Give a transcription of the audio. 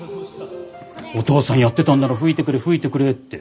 お父さんやってたんなら吹いてくれ吹いてくれって。